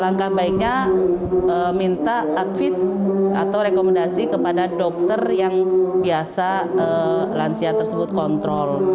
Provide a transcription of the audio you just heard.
langkah baiknya minta advis atau rekomendasi kepada dokter yang biasa lansia tersebut kontrol